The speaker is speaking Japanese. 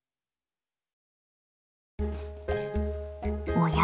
おや？